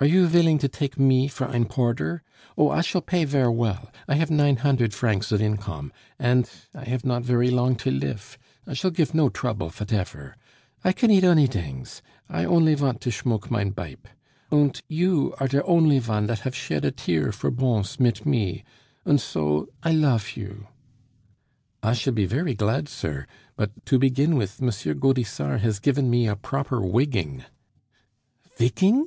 "Are you villing to take me for ein poarder? Oh! I shall pay ver' vell; I haf nine hundert vrancs of inkomm, und I haf not ver' long ter lif.... I shall gif no drouble vatefer.... I can eat onydings I only vant to shmoke mein bipe. Und you are der only von dat haf shed a tear for Bons, mit me; und so, I lof you." "I should be very glad, sir; but, to begin with, M. Gaudissart has given me a proper wigging " "_Vigging?